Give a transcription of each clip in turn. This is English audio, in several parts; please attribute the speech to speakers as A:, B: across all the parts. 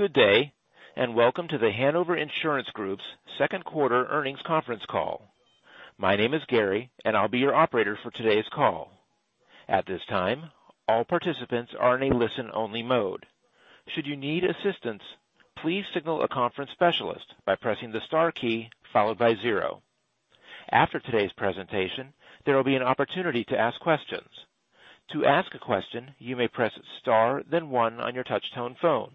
A: Good day. Welcome to The Hanover Insurance Group's second quarter earnings conference call. My name is Gary, and I'll be your operator for today's call. At this time, all participants are in a listen-only mode. Should you need assistance, please signal a conference specialist by pressing the star key followed by zero. After today's presentation, there will be an opportunity to ask questions. To ask a question, you may press star then one on your touch tone phone.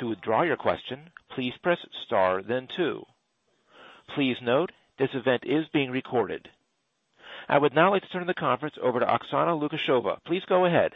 A: To withdraw your question, please press star then two. Please note, this event is being recorded. I would now like to turn the conference over to Oksana Lukasheva. Please go ahead.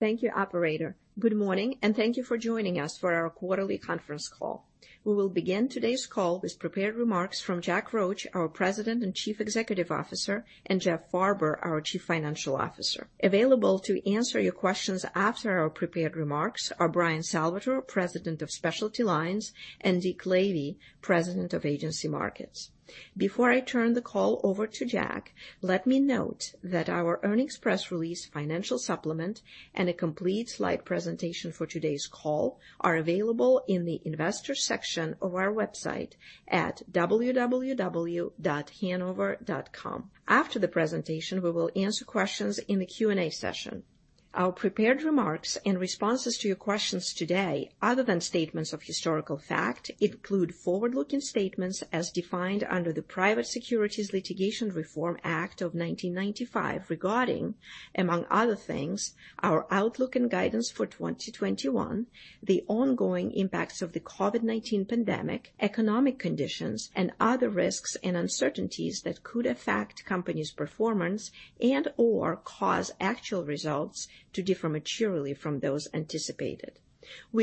B: Thank you, operator. Good morning. Thank you for joining us for our quarterly conference call. We will begin today's call with prepared remarks from Jack Roche, our President and Chief Executive Officer, and Jeff Farber, our Chief Financial Officer. Available to answer your questions after our prepared remarks are Bryan Salvatore, President of Specialty Lines, and Dick Lavey, President of Agency Markets. Before I turn the call over to Jack, let me note that our earnings press release financial supplement and a complete slide presentation for today's call are available in the investors section of our website at www.hanover.com. After the presentation, we will answer questions in the Q&A session. Our prepared remarks and responses to your questions today, other than statements of historical fact, include forward-looking statements as defined under the Private Securities Litigation Reform Act of 1995 regarding, among other things, our outlook and guidance for 2021, the ongoing impacts of the COVID-19 pandemic, economic conditions, and other risks and uncertainties that could affect company's performance and/or cause actual results to differ materially from those anticipated. We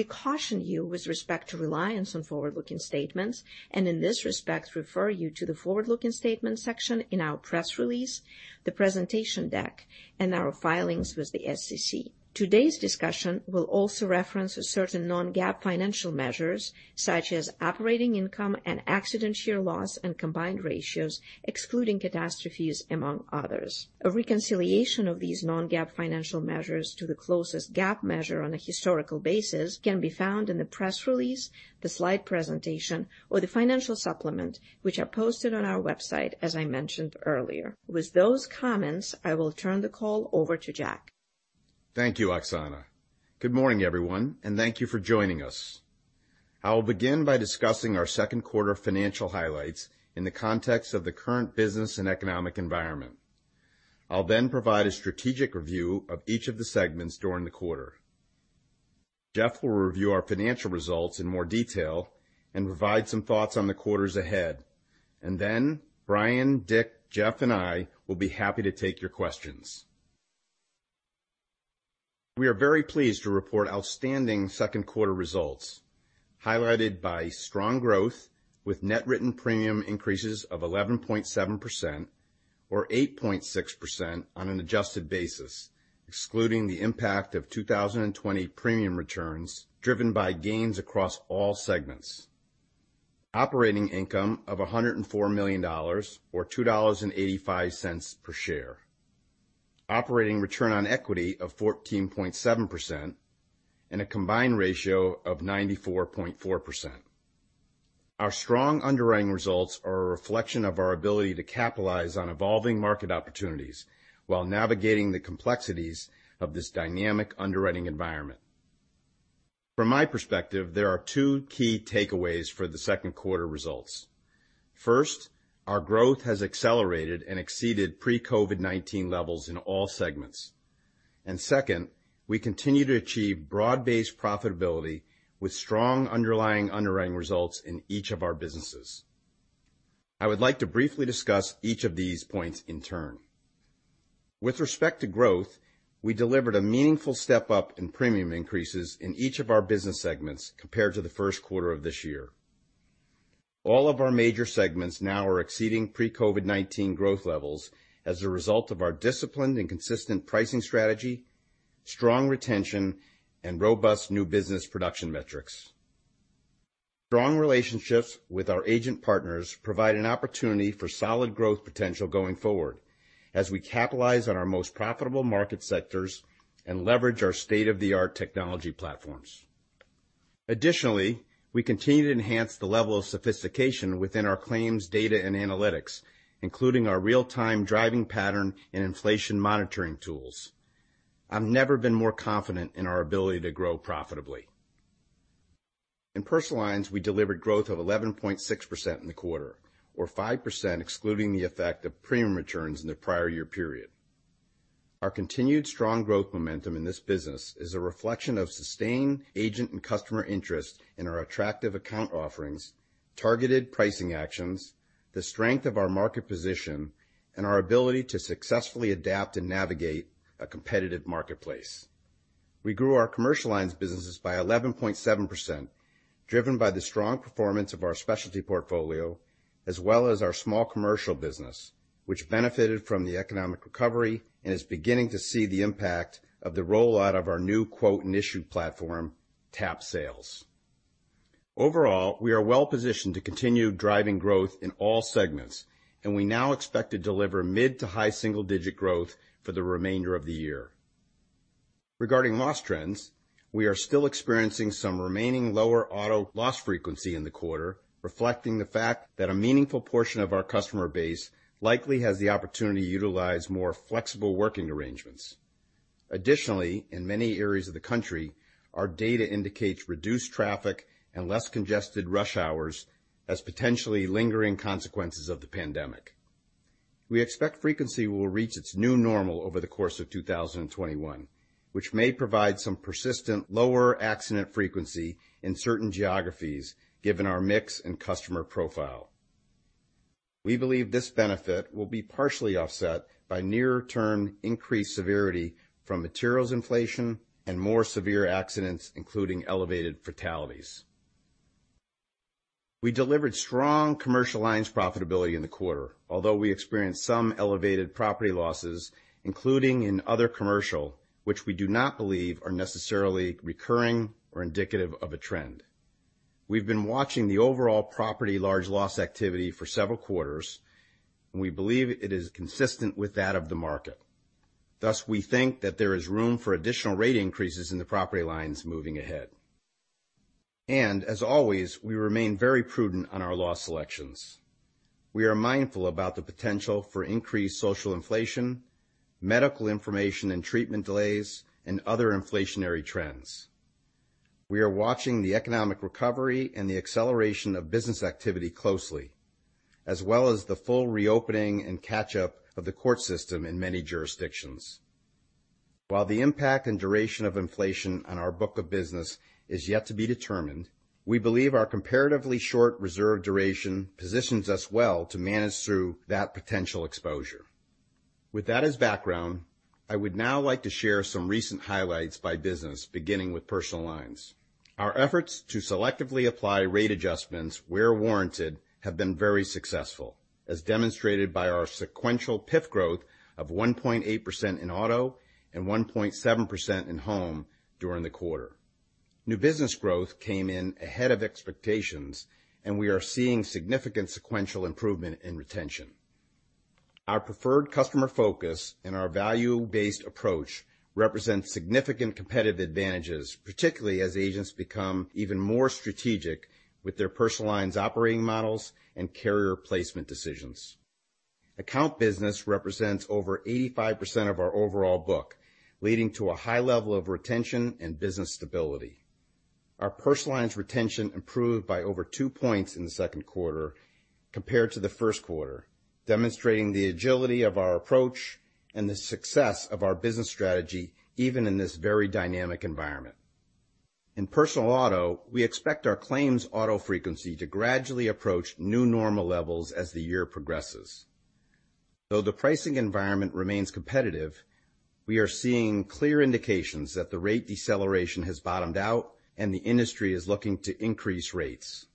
B: caution you with respect to reliance on forward-looking statements and in this respect refer you to the forward-looking statements section in our press release, the presentation deck, and our filings with the SEC. Today's discussion will also reference certain non-GAAP financial measures such as operating income and accident year loss and combined ratios, excluding catastrophes, among others. A reconciliation of these non-GAAP financial measures to the closest GAAP measure on a historical basis can be found in the press release, the slide presentation or the financial supplement, which are posted on our website, as I mentioned earlier. With those comments, I will turn the call over to Jack.
C: Thank you, Oksana. Good morning, everyone, and thank you for joining us. I will begin by discussing our second quarter financial highlights in the context of the current business and economic environment. I'll then provide a strategic review of each of the segments during the quarter. Jeff will review our financial results in more detail and provide some thoughts on the quarters ahead. Bryan, Dick, Jeff, and I will be happy to take your questions. We are very pleased to report outstanding second quarter results, highlighted by strong growth with net written premium increases of 11.7% or 8.6% on an adjusted basis, excluding the impact of 2020 premium returns driven by gains across all segments. Operating income of $104 million, or $2.85 per share. Operating return on equity of 14.7% and a combined ratio of 94.4%. Our strong underwriting results are a reflection of our ability to capitalize on evolving market opportunities while navigating the complexities of this dynamic underwriting environment. From my perspective, there are two key takeaways for the second quarter results. First, our growth has accelerated and exceeded pre-COVID-19 levels in all segments. Second, we continue to achieve broad-based profitability with strong underlying underwriting results in each of our businesses. I would like to briefly discuss each of these points in turn. With respect to growth, we delivered a meaningful step-up in premium increases in each of our business segments compared to the first quarter of this year. All of our major segments now are exceeding pre-COVID-19 growth levels as a result of our disciplined and consistent pricing strategy, strong retention, and robust new business production metrics. Strong relationships with our agent partners provide an opportunity for solid growth potential going forward as we capitalize on our most profitable market sectors and leverage our state-of-the-art technology platforms. Additionally, we continue to enhance the level of sophistication within our claims data and analytics, including our real-time driving pattern and inflation monitoring tools. I've never been more confident in our ability to grow profitably. In personal lines, we delivered growth of 11.6% in the quarter, or 5% excluding the effect of premium returns in the prior year period. Our continued strong growth momentum in this business is a reflection of sustained agent and customer interest in our attractive account offerings, targeted pricing actions, the strength of our market position, and our ability to successfully adapt and navigate a competitive marketplace. We grew our commercial lines businesses by 11.7%, driven by the strong performance of our specialty portfolio as well as our small commercial business, which benefited from the economic recovery and is beginning to see the impact of the rollout of our new quote and issue platform, TAP Sales. Overall, we are well-positioned to continue driving growth in all segments, and we now expect to deliver mid to high single-digit growth for the remainder of the year. Regarding loss trends, we are still experiencing some remaining lower auto loss frequency in the quarter, reflecting the fact that a meaningful portion of our customer base likely has the opportunity to utilize more flexible working arrangements. Additionally, in many areas of the country, our data indicates reduced traffic and less congested rush hours as potentially lingering consequences of the pandemic. We expect frequency will reach its new normal over the course of 2021, which may provide some persistent lower accident frequency in certain geographies, given our mix and customer profile. We believe this benefit will be partially offset by near-term increased severity from materials inflation and more severe accidents, including elevated fatalities. We delivered strong commercial lines profitability in the quarter, although we experienced some elevated property losses, including in other commercial, which we do not believe are necessarily recurring or indicative of a trend. We've been watching the overall property large loss activity for several quarters, and we believe it is consistent with that of the market. Thus, we think that there is room for additional rate increases in the property lines moving ahead. As always, we remain very prudent on our loss selections. We are mindful about the potential for increased social inflation, medical information and treatment delays, and other inflationary trends. We are watching the economic recovery and the acceleration of business activity closely, as well as the full reopening and catch-up of the court system in many jurisdictions. While the impact and duration of inflation on our book of business is yet to be determined, we believe our comparatively short reserve duration positions us well to manage through that potential exposure. With that as background, I would now like to share some recent highlights by business, beginning with personal lines. Our efforts to selectively apply rate adjustments where warranted have been very successful, as demonstrated by our sequential PIF growth of 1.8% in auto and 1.7% in home during the quarter. New business growth came in ahead of expectations. We are seeing significant sequential improvement in retention. Our preferred customer focus and our value-based approach represent significant competitive advantages, particularly as agents become even more strategic with their personal lines operating models and carrier placement decisions. Account business represents over 85% of our overall book, leading to a high level of retention and business stability. Our personal lines retention improved by over two points in the second quarter compared to the first quarter, demonstrating the agility of our approach and the success of our business strategy, even in this very dynamic environment. In personal auto, we expect our claims auto frequency to gradually approach new normal levels as the year progresses. Though the pricing environment remains competitive, we are seeing clear indications that the rate deceleration has bottomed out. The industry is looking to increase rates.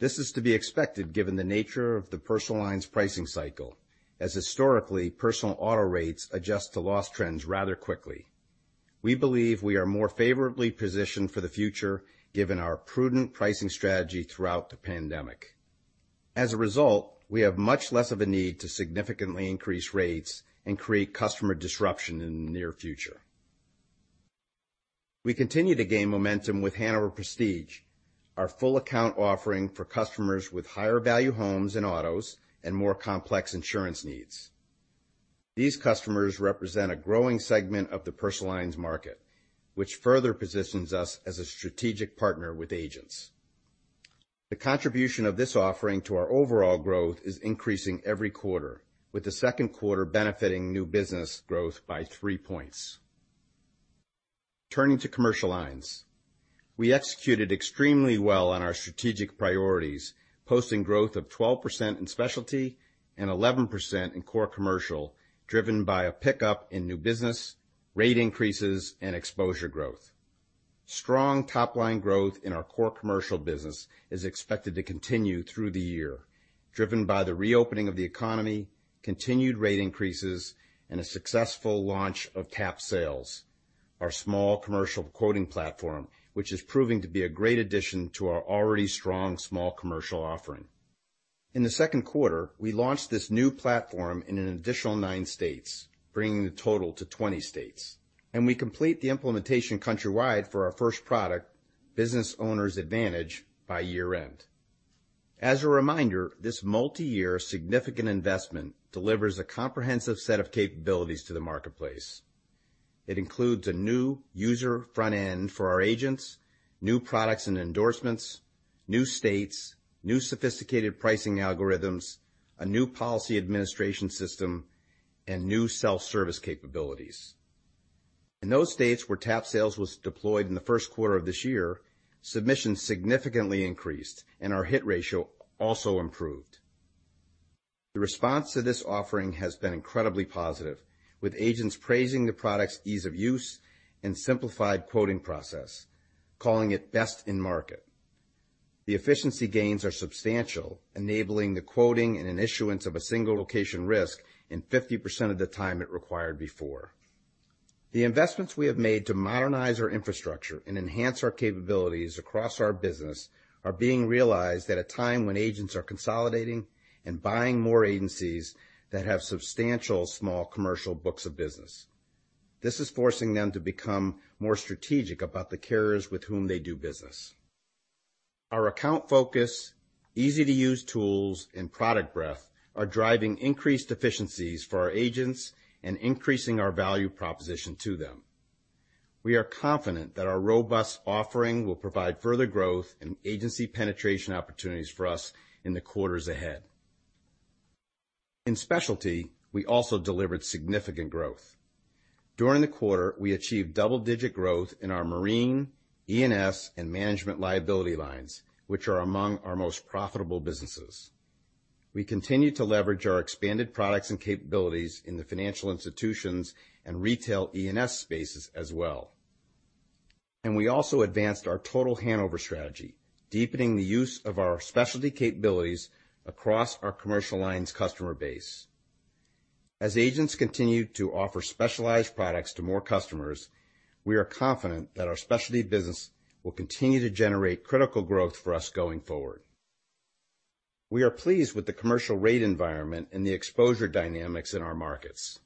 C: This is to be expected given the nature of the personal lines pricing cycle, as historically, personal auto rates adjust to loss trends rather quickly. We believe we are more favorably positioned for the future given our prudent pricing strategy throughout the pandemic. As a result, we have much less of a need to significantly increase rates and create customer disruption in the near future. We continue to gain momentum with Hanover Prestige, our full account offering for customers with higher value homes and autos and more complex insurance needs. These customers represent a growing segment of the personal lines market, which further positions us as a strategic partner with agents. The contribution of this offering to our overall growth is increasing every quarter, with the second quarter benefiting new business growth by three points. Turning to commercial lines. We executed extremely well on our strategic priorities, posting growth of 12% in specialty and 11% in core commercial, driven by a pickup in new business, rate increases, and exposure growth. Strong top-line growth in our core commercial business is expected to continue through the year, driven by the reopening of the economy, continued rate increases, and a successful launch of TAP Sales. Our small commercial quoting platform, which is proving to be a great addition to our already strong small commercial offering. In the second quarter, we launched this new platform in an additional nine states, bringing the total to 20 states, and we complete the implementation countrywide for our first product, Business Owner's Advantage, by year-end. As a reminder, this multi-year significant investment delivers a comprehensive set of capabilities to the marketplace. It includes a new user front end for our agents, new products and endorsements, new states, new sophisticated pricing algorithms, a new policy administration system, and new self-service capabilities. In those states where TAP Sales was deployed in the first quarter of this year, submissions significantly increased, and our hit ratio also improved. The response to this offering has been incredibly positive, with agents praising the product's ease of use and simplified quoting process, calling it best in market. The efficiency gains are substantial, enabling the quoting and an issuance of a single location risk in 50% of the time it required before. The investments we have made to modernize our infrastructure and enhance our capabilities across our business are being realized at a time when agents are consolidating and buying more agencies that have substantial small commercial books of business. This is forcing them to become more strategic about the carriers with whom they do business. Our account focus, easy-to-use tools, and product breadth are driving increased efficiencies for our agents and increasing our value proposition to them. We are confident that our robust offering will provide further growth and agency penetration opportunities for us in the quarters ahead. In specialty, we also delivered significant growth. During the quarter, we achieved double-digit growth in our marine, E&S, and management liability lines, which are among our most profitable businesses. We continue to leverage our expanded products and capabilities in the financial institutions and retail E&S spaces as well. We also advanced our Total Hanover strategy, deepening the use of our specialty capabilities across our commercial lines customer base. As agents continue to offer specialized products to more customers, we are confident that our specialty business will continue to generate critical growth for us going forward. We are pleased with the commercial rate environment and the exposure dynamics in our markets.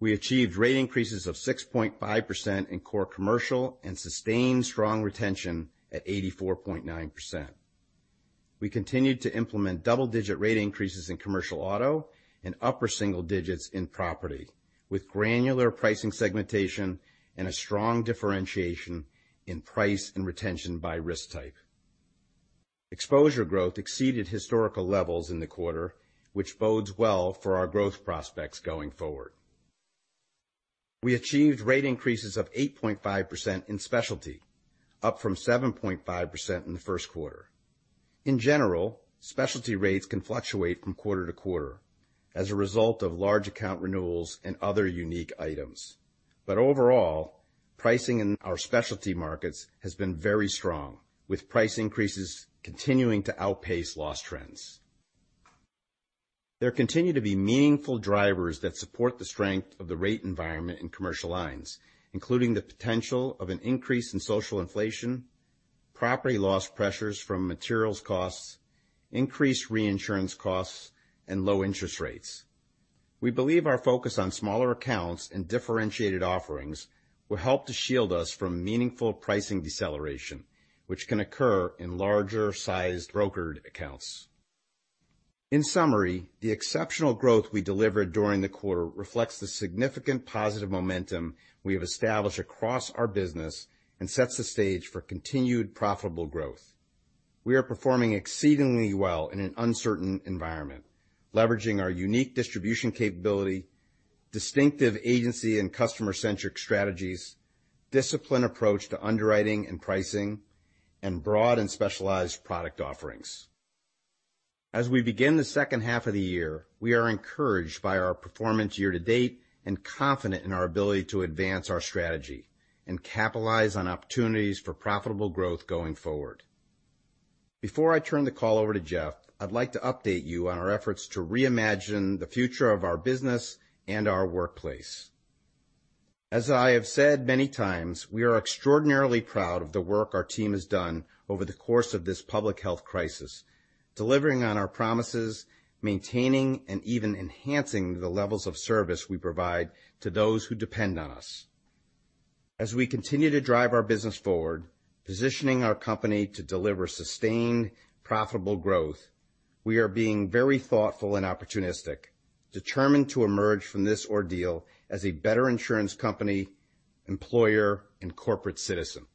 C: We achieved rate increases of 6.5% in core commercial and sustained strong retention at 84.9%. We continued to implement double-digit rate increases in commercial auto and upper single digits in property, with granular pricing segmentation and a strong differentiation in price and retention by risk type. Exposure growth exceeded historical levels in the quarter, which bodes well for our growth prospects going forward. We achieved rate increases of 8.5% in specialty, up from 7.5% in the first quarter. In general, specialty rates can fluctuate from quarter to quarter as a result of large account renewals and other unique items. Overall, pricing in our specialty markets has been very strong, with price increases continuing to outpace loss trends. There continue to be meaningful drivers that support the strength of the rate environment in commercial lines, including the potential of an increase in social inflation, property loss pressures from materials costs, increased reinsurance costs, and low interest rates. We believe our focus on smaller accounts and differentiated offerings will help to shield us from meaningful pricing deceleration, which can occur in larger-sized brokered accounts. In summary, the exceptional growth we delivered during the quarter reflects the significant positive momentum we have established across our business and sets the stage for continued profitable growth. We are performing exceedingly well in an uncertain environment, leveraging our unique distribution capability, distinctive agency and customer-centric strategies, disciplined approach to underwriting and pricing, and broad and specialized product offerings. As we begin the second half of the year, we are encouraged by our performance year to date and confident in our ability to advance our strategy and capitalize on opportunities for profitable growth going forward. Before I turn the call over to Jeff, I'd like to update you on our efforts to reimagine the future of our business and our workplace. As I have said many times, we are extraordinarily proud of the work our team has done over the course of this public health crisis, delivering on our promises, maintaining and even enhancing the levels of service we provide to those who depend on us. As we continue to drive our business forward, positioning our company to deliver sustained, profitable growth, we are being very thoughtful and opportunistic, determined to emerge from this ordeal as a better insurance company, employer, and corporate citizen.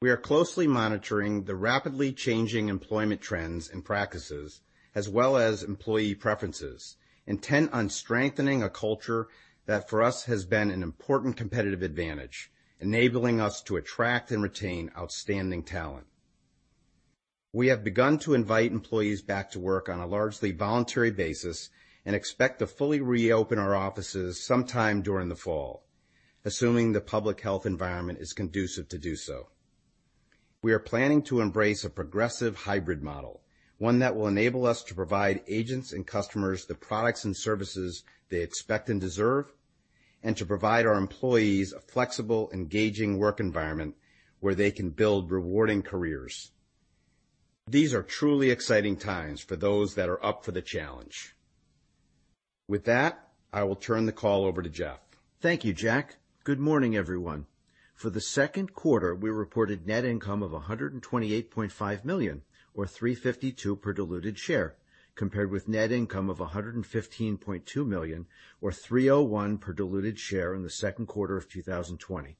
C: We are closely monitoring the rapidly changing employment trends and practices as well as employee preferences, intent on strengthening a culture that for us has been an important competitive advantage, enabling us to attract and retain outstanding talent. We have begun to invite employees back to work on a largely voluntary basis and expect to fully reopen our offices sometime during the fall, assuming the public health environment is conducive to do so. We are planning to embrace a progressive hybrid model, one that will enable us to provide agents and customers the products and services they expect and deserve, and to provide our employees a flexible, engaging work environment where they can build rewarding careers. These are truly exciting times for those that are up for the challenge. With that, I will turn the call over to Jeff.
D: Thank you, Jack. Good morning, everyone. For the second quarter, we reported net income of $128.5 million or $3.52 per diluted share, compared with net income of $115.2 million or $3.01 per diluted share in the second quarter of 2020.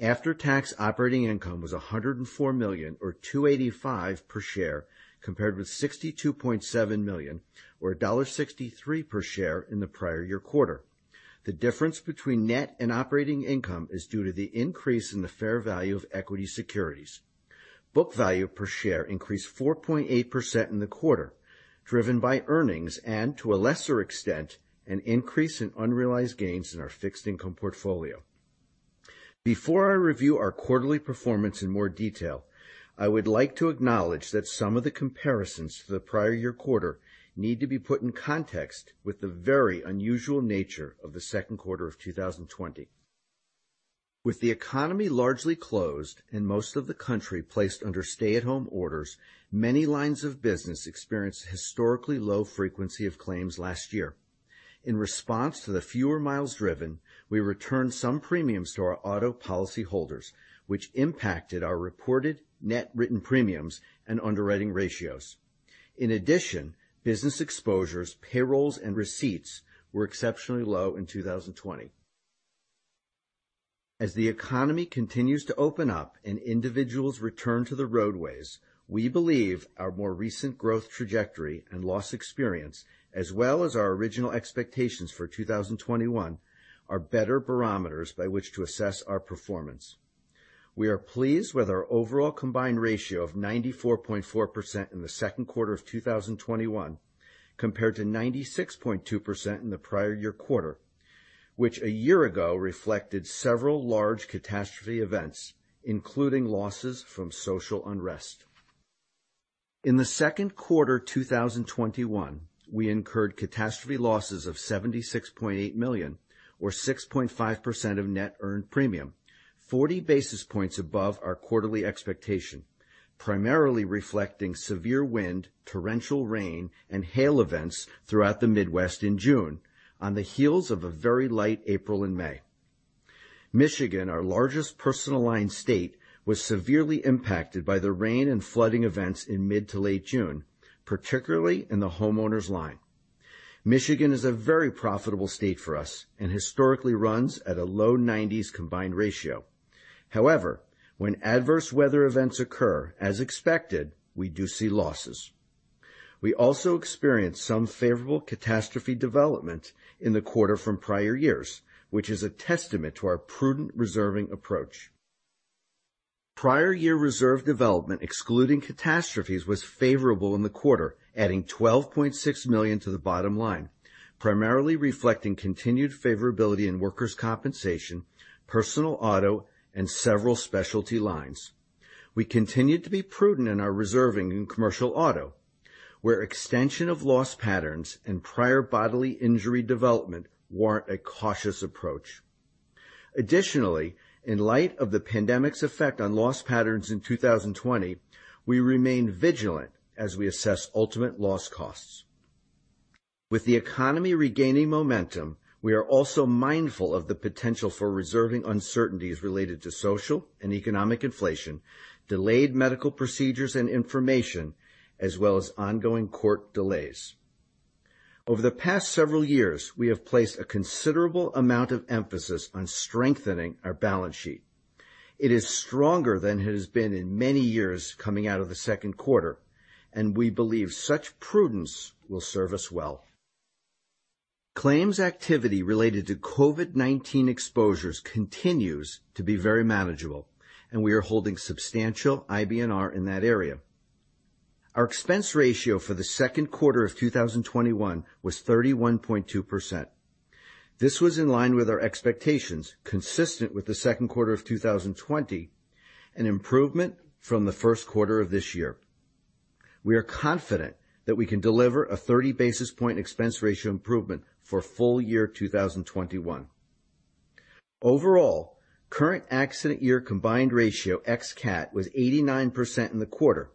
D: After-tax operating income was $104 million or $2.85 per share, compared with $62.7 million or $1.63 per share in the prior year quarter. The difference between net and operating income is due to the increase in the fair value of equity securities. Book value per share increased 4.8% in the quarter, driven by earnings and, to a lesser extent, an increase in unrealized gains in our fixed income portfolio. Before I review our quarterly performance in more detail, I would like to acknowledge that some of the comparisons to the prior year quarter need to be put in context with the very unusual nature of the second quarter of 2020. With the economy largely closed and most of the country placed under stay-at-home orders, many lines of business experienced historically low frequency of claims last year. In response to the fewer miles driven, we returned some premiums to our auto policyholders, which impacted our reported net written premiums and underwriting ratios. In addition, business exposures, payrolls, and receipts were exceptionally low in 2020. As the economy continues to open up and individuals return to the roadways, we believe our more recent growth trajectory and loss experience, as well as our original expectations for 2021, are better barometers by which to assess our performance. We are pleased with our overall combined ratio of 94.4% in the second quarter of 2021, compared to 96.2% in the prior year quarter, which a year ago reflected several large catastrophe events, including losses from social unrest. In the second quarter 2021, we incurred catastrophe losses of $76.8 million, or 6.5% of net earned premium, 40 basis points above our quarterly expectation, primarily reflecting severe wind, torrential rain, and hail events throughout the Midwest in June, on the heels of a very light April and May. Michigan, our largest personal line state, was severely impacted by the rain and flooding events in mid to late June, particularly in the homeowners line. Michigan is a very profitable state for us and historically runs at a low 90s combined ratio. However, when adverse weather events occur, as expected, we do see losses. We also experienced some favorable catastrophe development in the quarter from prior years, which is a testament to our prudent reserving approach. Prior year reserve development, excluding catastrophes, was favorable in the quarter, adding $12.6 million to the bottom line, primarily reflecting continued favorability in workers' compensation, personal auto, and several specialty lines. We continued to be prudent in our reserving in commercial auto, where extension of loss patterns and prior bodily injury development warrant a cautious approach. In light of the pandemic's effect on loss patterns in 2020, we remain vigilant as we assess ultimate loss costs. With the economy regaining momentum, we are also mindful of the potential for reserving uncertainties related to social and economic inflation, delayed medical procedures and information, as well as ongoing court delays. Over the past several years, we have placed a considerable amount of emphasis on strengthening our balance sheet. It is stronger than it has been in many years coming out of the second quarter, we believe such prudence will serve us well. Claims activity related to COVID-19 exposures continues to be very manageable, we are holding substantial IBNR in that area. Our expense ratio for the second quarter of 2021 was 31.2%. This was in line with our expectations, consistent with the second quarter of 2020, an improvement from the first quarter of this year. We are confident that we can deliver a 30-basis-point expense ratio improvement for full year 2021. Overall, current accident year combined ratio ex-CAT was 89% in the quarter.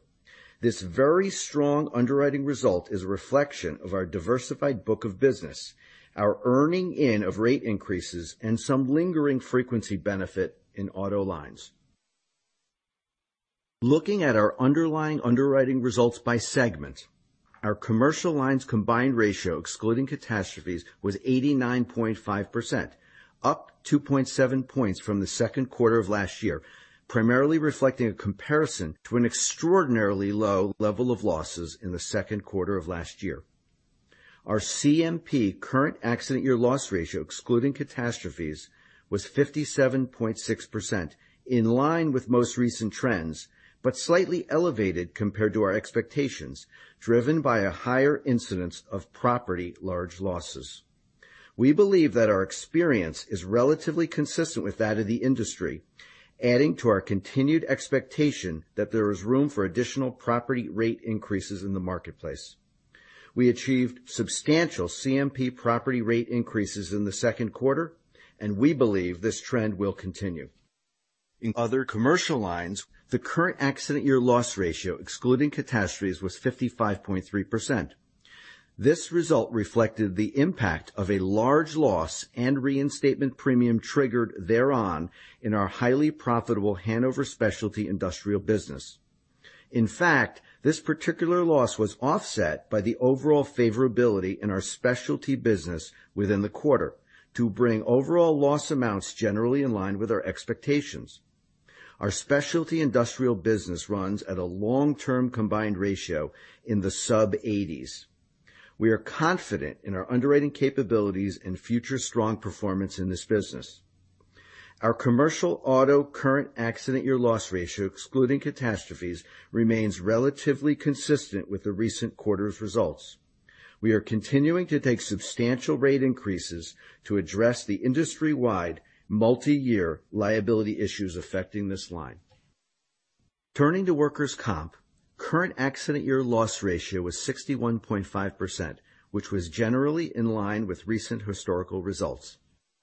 D: This very strong underwriting result is a reflection of our diversified book of business, our earning in of rate increases, and some lingering frequency benefit in auto lines. Looking at our underlying underwriting results by segment, our Commercial Lines combined ratio, excluding catastrophes, was 89.5%, up 2.7 points from the second quarter of last year, primarily reflecting a comparison to an extraordinarily low level of losses in the second quarter of last year. Our CMP current accident year loss ratio, excluding catastrophes, was 57.6%, in line with most recent trends, but slightly elevated compared to our expectations, driven by a higher incidence of property large losses. We believe that our experience is relatively consistent with that of the industry, adding to our continued expectation that there is room for additional property rate increases in the marketplace. We achieved substantial CMP property rate increases in the second quarter. We believe this trend will continue. In other Commercial Lines, the current accident year loss ratio, excluding catastrophes, was 55.3%. This result reflected the impact of a large loss and reinstatement premium triggered thereon in our highly profitable Hanover Specialty Industrial business. In fact, this particular loss was offset by the overall favorability in our specialty business within the quarter to bring overall loss amounts generally in line with our expectations. Our Hanover Specialty Industrial business runs at a long-term combined ratio in the sub-80s. We are confident in our underwriting capabilities and future strong performance in this business. Our commercial auto current accident year loss ratio, excluding catastrophes, remains relatively consistent with the recent quarter's results. We are continuing to take substantial rate increases to address the industry-wide multi-year liability issues affecting this line. Turning to workers' comp, current accident year loss ratio was 61.5%, which was generally in line with recent historical results.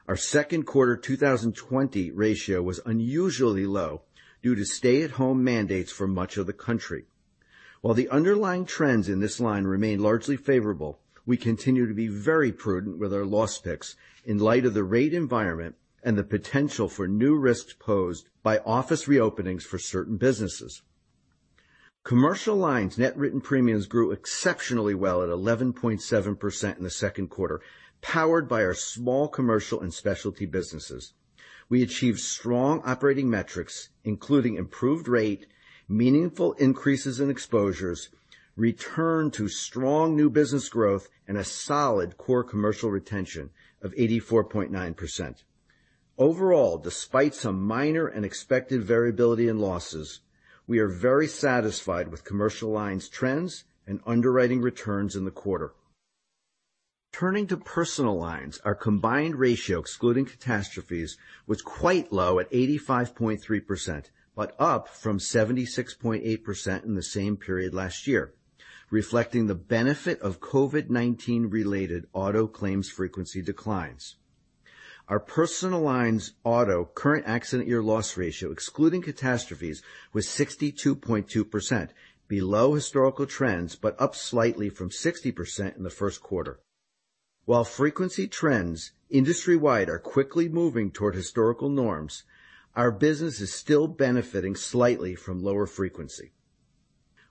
D: Our second quarter 2020 ratio was unusually low due to stay-at-home mandates for much of the country. While the underlying trends in this line remain largely favorable, we continue to be very prudent with our loss picks in light of the rate environment and the potential for new risks posed by office reopenings for certain businesses. Commercial Lines net written premiums grew exceptionally well at 11.7% in the second quarter, powered by our small commercial and specialty businesses. We achieved strong operating metrics, including improved rate, meaningful increases in exposures, return to strong new business growth, and a solid core commercial retention of 84.9%. Overall, despite some minor and expected variability in losses, we are very satisfied with Commercial Lines trends and underwriting returns in the quarter. Turning to Personal Lines, our combined ratio, excluding catastrophes, was quite low at 85.3%, but up from 76.8% in the same period last year, reflecting the benefit of COVID-19-related auto claims frequency declines. Our Personal Lines auto current accident year loss ratio, excluding catastrophes, was 62.2%, below historical trends, but up slightly from 60% in the first quarter. While frequency trends industry-wide are quickly moving toward historical norms, our business is still benefiting slightly from lower frequency.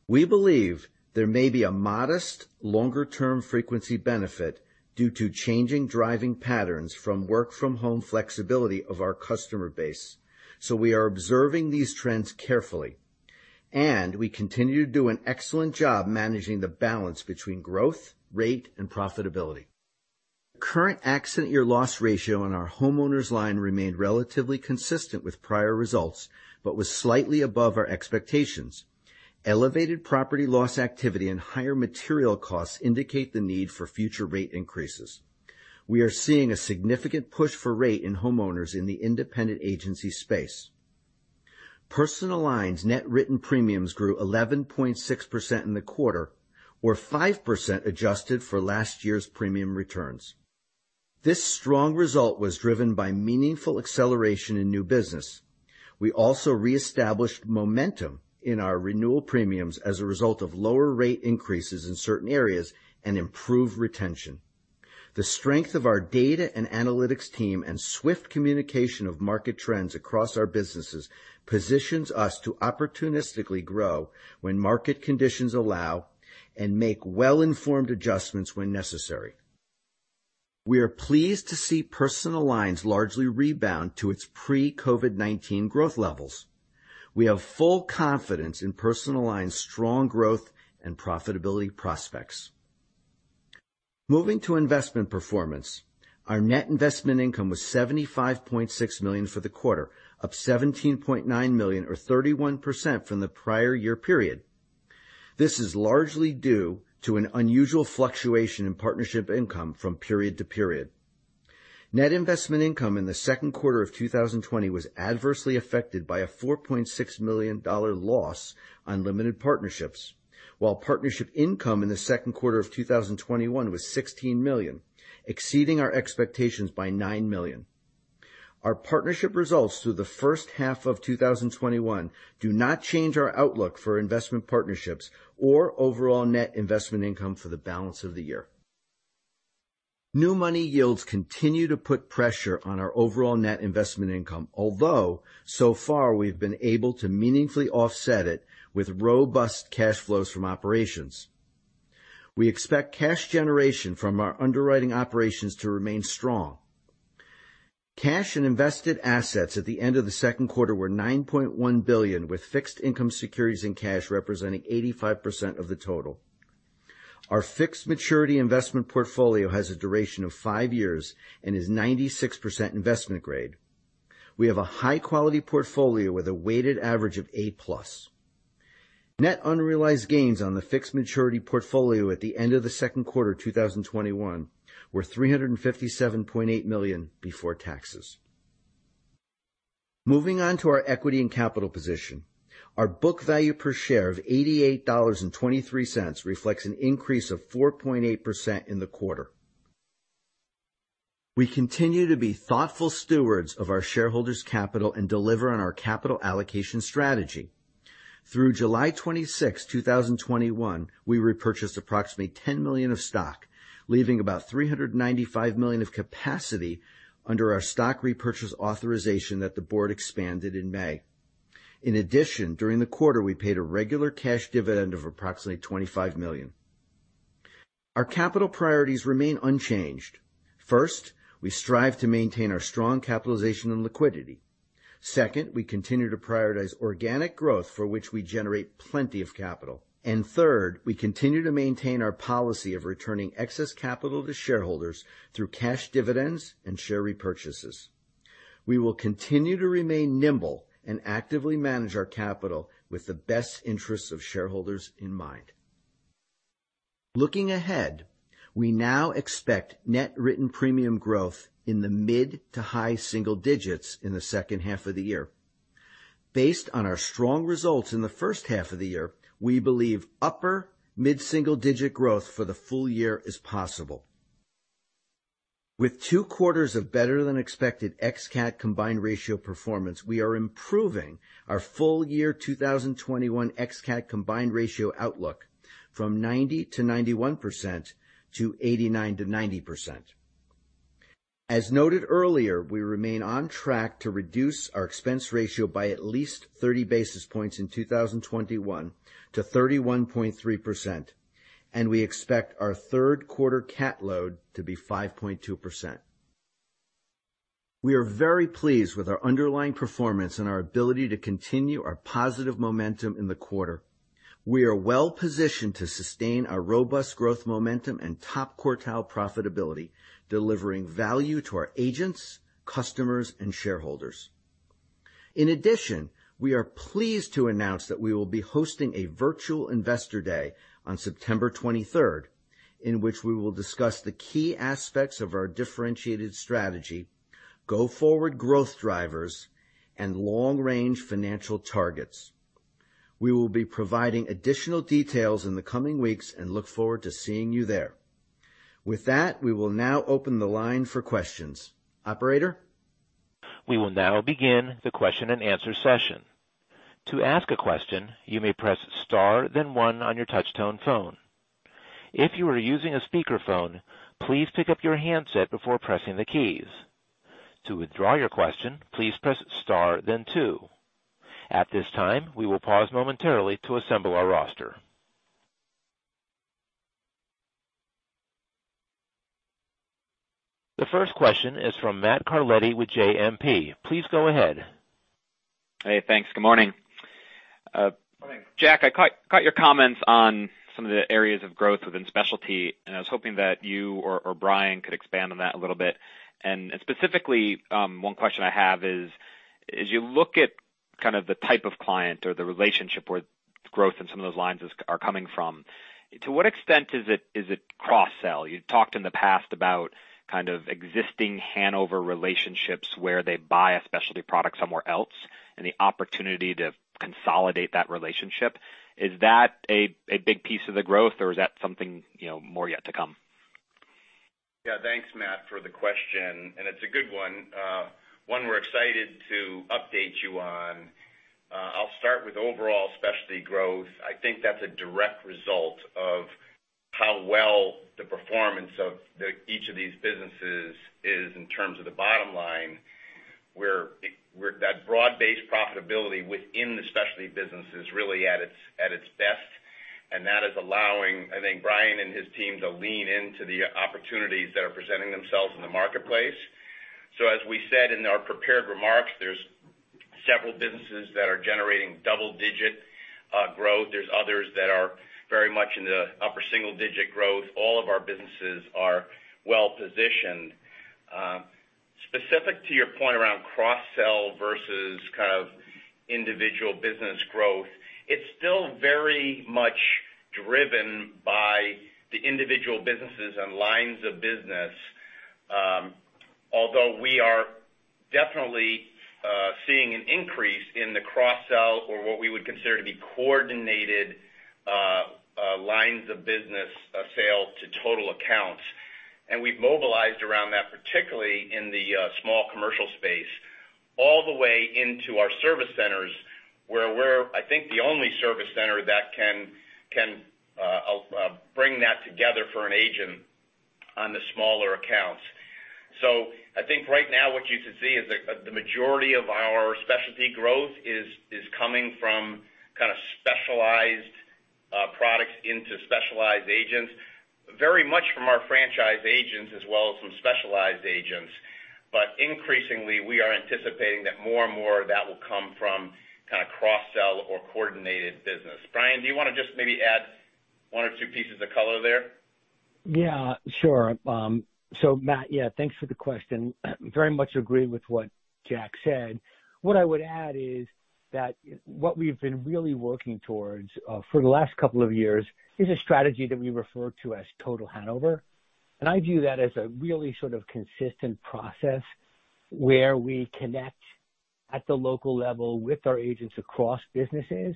D: We believe there may be a modest longer-term frequency benefit due to changing driving patterns from work-from-home flexibility of our customer base. We are observing these trends carefully. We continue to do an excellent job managing the balance between growth, rate, and profitability. Current accident year loss ratio on our homeowners line remained relatively consistent with prior results, but was slightly above our expectations. Elevated property loss activity and higher material costs indicate the need for future rate increases. We are seeing a significant push for rate in homeowners in the independent agency space. Personal lines net written premiums grew 11.6% in the quarter, or 5% adjusted for last year's premium returns. This strong result was driven by meaningful acceleration in new business. We also reestablished momentum in our renewal premiums as a result of lower rate increases in certain areas and improved retention. The strength of our data and analytics team and swift communication of market trends across our businesses positions us to opportunistically grow when market conditions allow and make well-informed adjustments when necessary. We are pleased to see personal lines largely rebound to its pre-COVID-19 growth levels. We have full confidence in personal lines' strong growth and profitability prospects. Moving to investment performance, our net investment income was $75.6 million for the quarter, up $17.9 million or 31% from the prior year period. This is largely due to an unusual fluctuation in partnership income from period to period. Net investment income in the second quarter of 2020 was adversely affected by a $4.6 million loss on limited partnerships, while partnership income in the second quarter of 2021 was $16 million, exceeding our expectations by $9 million. Our partnership results through the first half of 2021 do not change our outlook for investment partnerships or overall net investment income for the balance of the year. New money yields continue to put pressure on our overall net investment income, although, so far, we've been able to meaningfully offset it with robust cash flows from operations. We expect cash generation from our underwriting operations to remain strong. Cash and invested assets at the end of the second quarter were $9.1 billion, with fixed-income securities and cash representing 85% of the total. Our fixed maturity investment portfolio has a duration of five years and is 96% investment-grade. We have a high-quality portfolio with a weighted average of A-plus. Net unrealized gains on the fixed maturity portfolio at the end of the second quarter 2021 were $357.8 million before taxes. Moving on to our equity and capital position. Our book value per share of $88.23 reflects an increase of 4.8% in the quarter. We continue to be thoughtful stewards of our shareholders' capital and deliver on our capital allocation strategy. Through July 26th, 2021, we repurchased approximately $10 million of stock, leaving about $395 million of capacity under our stock repurchase authorization that the board expanded in May. In addition, during the quarter, we paid a regular cash dividend of approximately $25 million. Our capital priorities remain unchanged. First, we strive to maintain our strong capitalization and liquidity. Second, we continue to prioritize organic growth, for which we generate plenty of capital. Third, we continue to maintain our policy of returning excess capital to shareholders through cash dividends and share repurchases. We will continue to remain nimble and actively manage our capital with the best interests of shareholders in mind. Looking ahead, we now expect net written premium growth in the mid to high single digits in the second half of the year. Based on our strong results in the first half of the year, we believe upper mid single-digit growth for the full year is possible. With two quarters of better than expected ex-CAT combined ratio performance, we are improving our full year 2021 ex-CAT combined ratio outlook from 90%-91% to 89%-90%. As noted earlier, we remain on track to reduce our expense ratio by at least 30 basis points in 2021 to 31.3%, and we expect our third quarter CAT load to be 5.2%. We are very pleased with our underlying performance and our ability to continue our positive momentum in the quarter. We are well-positioned to sustain our robust growth momentum and top quartile profitability, delivering value to our agents, customers, and shareholders. In addition, we are pleased to announce that we will be hosting a virtual investor day on September 23rd, in which we will discuss the key aspects of our differentiated strategy, go-forward growth drivers, and long-range financial targets. We will be providing additional details in the coming weeks and look forward to seeing you there. With that, we will now open the line for questions. Operator?
A: We will now begin the question and answer session. To ask a question, you may press star then one on your touchtone phone. If you are using a speakerphone, please pick up your handset before pressing the keys. To withdraw your question, please press star then two. At this time, we will pause momentarily to assemble our roster. The first question is from Matt Carletti with JMP. Please go ahead.
E: Hey, thanks. Good morning.
D: Morning.
E: Jack, I caught your comments on some of the areas of growth within specialty. I was hoping that you or Bryan could expand on that a little bit. Specifically, one question I have is, as you look at kind of the type of client or the relationship where growth in some of those lines are coming from, to what extent is it cross-sell? You talked in the past about kind of existing Hanover relationships where they buy a specialty product somewhere else, and the opportunity to consolidate that relationship. Is that a big piece of the growth or is that something more yet to come?
D: Yeah. Thanks, Matt, for the question. It's a good one. One we're excited to update you on. I'll start with overall specialty growth. I think that's a direct result of how well the performance of each of these businesses is in terms of the bottom line, where that broad-based profitability within the specialty business is really at its best. That is allowing, I think Bryan and his team to lean into the opportunities that are presenting themselves in the marketplace. As we said in our prepared remarks, there's several businesses that are generating double-digit growth. There's others that are very much in the upper single-digit growth. All of our businesses are well-positioned. Specific to your point around cross-sell versus kind of individual business growth, it's still very much driven by the individual businesses and lines of business. Although we are definitely seeing an increase in the cross-sell or what we would consider to be coordinated lines of business sales to total accounts. We've mobilized around that, particularly in the small commercial space, all the way into our service centers, where we're, I think, the only service center that can bring that together for an agent on the smaller accounts. I think right now what you should see is the majority of our specialty growth is coming from kind of specialized products into specialized agents, very much from our franchise agents as well as some specialized agents. Increasingly, we are anticipating that more and more of that will come from kind of cross-sell or coordinated business. Bryan, do you want to just maybe add one or two pieces of color there?
F: Yeah, sure. Matt, thanks for the question. Very much agree with what Jack said. What I would add is that what we've been really working towards for the last couple of years is a strategy that we refer to as Total Hanover. I view that as a really sort of consistent process where we connect at the local level with our agents across businesses.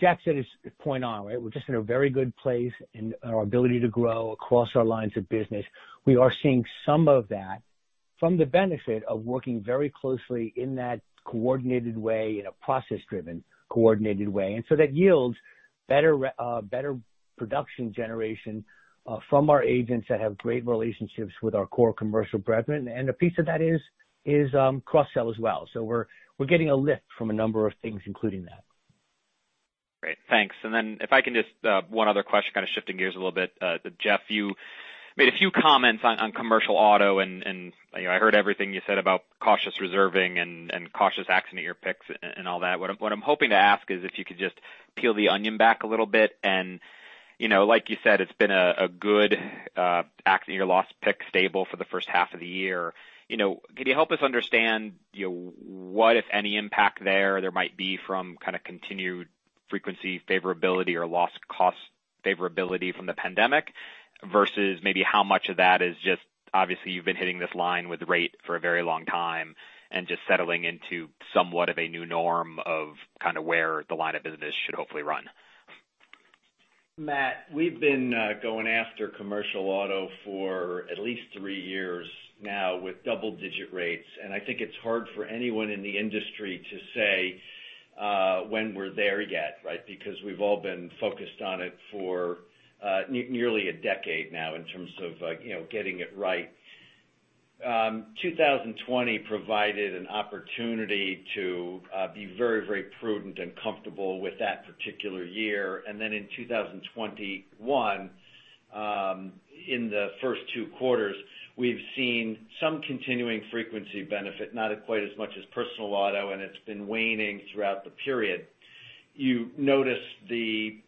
F: Jack said it point on, we're just in a very good place in our ability to grow across our lines of business. We are seeing some of that from the benefit of working very closely in that coordinated way, in a process-driven, coordinated way. That yields better production generation from our agents that have great relationships with our core commercial brethren. A piece of that is cross-sell as well. We're getting a lift from a number of things, including that.
E: Great. Thanks. If I can just, one other question, kind of shifting gears a little bit. Jeff, you made a few comments on commercial auto, and I heard everything you said about cautious reserving and cautious accident year picks and all that. What I'm hoping to ask is if you could just peel the onion back a little bit and like you said, it's been a good accident year loss pick stable for the first half of the year. Can you help us understand what, if any, impact there might be from kind of continued frequency favorability or loss cost favorability from the pandemic? Versus maybe how much of that is just, obviously, you've been hitting this line with rate for a very long time and just settling into somewhat of a new norm of where the line of business should hopefully run.
D: Matt, we've been going after commercial auto for at least three years now with double-digit rates. I think it's hard for anyone in the industry to say when we're there yet, right? Because we've all been focused on it for nearly a decade now in terms of getting it right. 2020 provided an opportunity to be very, very prudent and comfortable with that particular year. In 2021, in the first two quarters, we've seen some continuing frequency benefit, not quite as much as personal auto, and it's been waning throughout the period. You notice the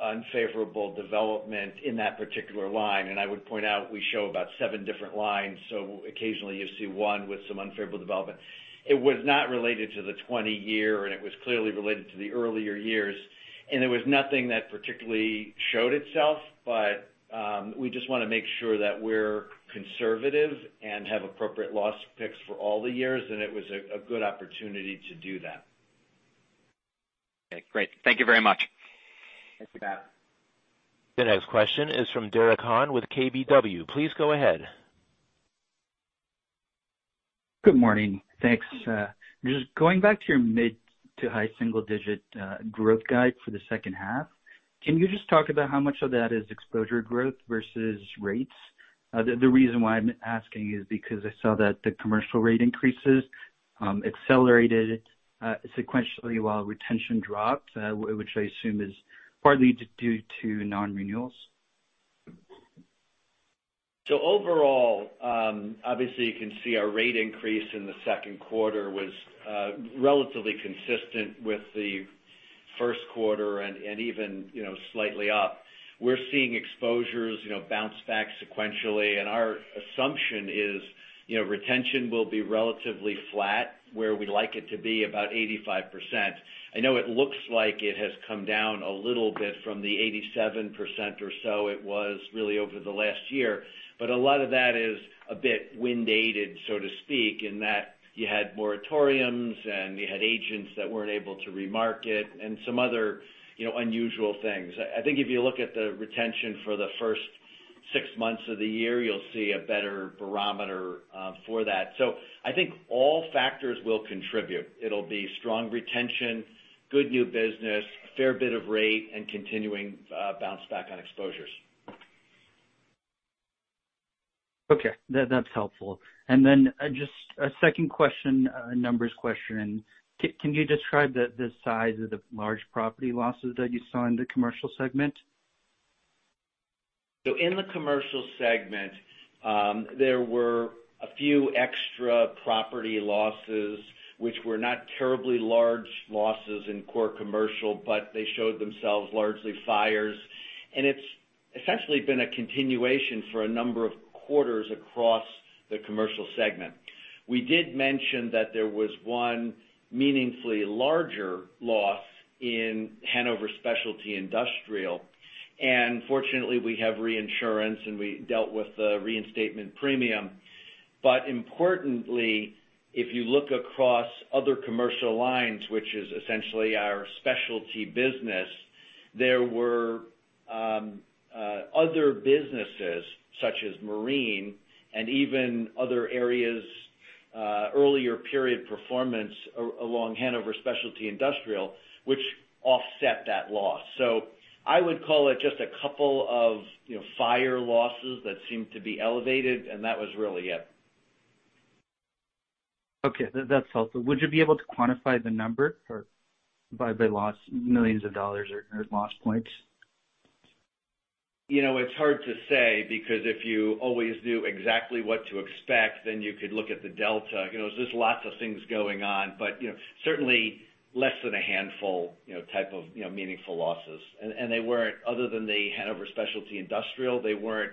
D: unfavorable development in that particular line, and I would point out we show about seven different lines, so occasionally you see one with some unfavorable development. It was not related to the 2020 year, and it was clearly related to the earlier years, and it was nothing that particularly showed itself. We just want to make sure that we're conservative and have appropriate loss picks for all the years, and it was a good opportunity to do that.
E: Okay, great. Thank you very much.
D: Thanks, Matt.
A: The next question is from Derek Han with KBW. Please go ahead.
G: Good morning. Thanks. Just going back to your mid to high single-digit growth guide for the second half, can you just talk about how much of that is exposure growth versus rates? The reason why I'm asking is because I saw that the commercial rate increases accelerated sequentially while retention dropped, which I assume is partly due to non-renewals.
D: Overall, obviously you can see our rate increase in the second quarter was relatively consistent with the first quarter and even slightly up. We're seeing exposures bounce back sequentially, and our assumption is retention will be relatively flat where we'd like it to be, about 85%. I know it looks like it has come down a little bit from the 87% or so it was really over the last year. A lot of that is a bit wind-aided, so to speak, in that you had moratoriums and you had agents that weren't able to remarket and some other unusual things. I think if you look at the retention for the first six months of the year, you'll see a better barometer for that. I think all factors will contribute. It'll be strong retention, good new business, fair bit of rate, and continuing bounce back on exposures.
G: Okay. That's helpful. Just a second question, a numbers question. Can you describe the size of the large property losses that you saw in the commercial segment?
D: In the commercial segment, there were a few extra property losses, which were not terribly large losses in core commercial, but they showed themselves largely fires. It's essentially been a continuation for a number of quarters across the commercial segment. We did mention that there was one meaningfully larger loss in Hanover Specialty Industrial, and fortunately we have reinsurance, and we dealt with the reinstatement premium. Importantly, if you look across other commercial lines, which is essentially our specialty business, there were other businesses such as Marine and even other areas, earlier period performance along Hanover Specialty Industrial, which offset that loss. I would call it just a couple of fire losses that seemed to be elevated, and that was really it.
G: Okay. That's helpful. Would you be able to quantify the number by loss, millions of dollars or loss points?
D: It's hard to say because if you always knew exactly what to expect, then you could look at the delta. There's lots of things going on. Certainly less than a handful type of meaningful losses. They weren't, other than the Hanover Specialty Industrial, they weren't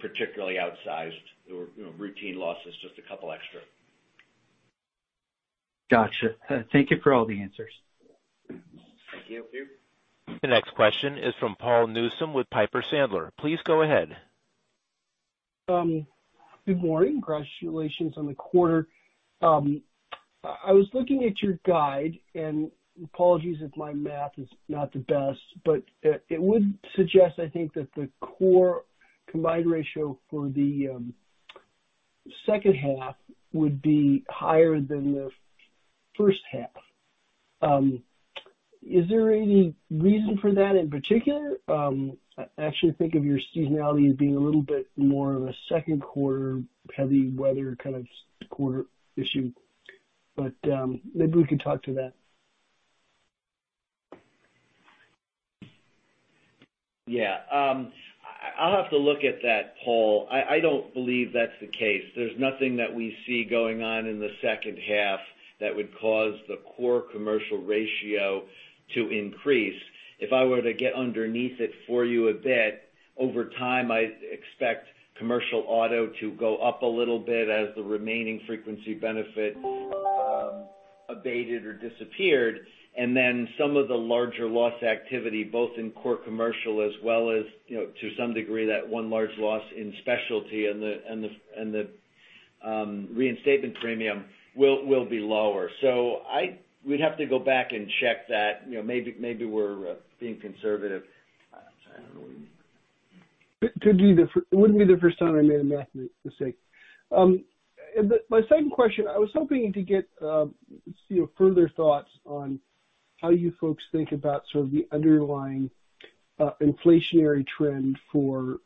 D: particularly outsized. They were routine losses, just a couple extra.
G: Got you. Thank you for all the answers.
D: Thank you.
A: The next question is from Paul Newsome with Piper Sandler. Please go ahead.
H: Good morning. Congratulations on the quarter. I was looking at your guide, apologies if my math is not the best, but it would suggest, I think, that the core combined ratio for the second half would be higher than the first half. Is there any reason for that in particular? I actually think of your seasonality as being a little bit more of a second-quarter-heavy weather kind of quarter issue. Maybe we can talk to that.
D: Yeah. I'll have to look at that, Paul. I don't believe that's the case. There's nothing that we see going on in the second half that would cause the core commercial ratio to increase. If I were to get underneath it for you a bit, over time, I expect commercial auto to go up a little bit as the remaining frequency benefit-
C: abated or disappeared, then some of the larger loss activity, both in core commercial as well as to some degree, that one large loss in specialty and the reinstatement premium will be lower. We'd have to go back and check that. Maybe we're being conservative. I don't know.
H: It wouldn't be the first time I made a math mistake. My second question, I was hoping to get your further thoughts on how you folks think about sort of the underlying inflationary trend for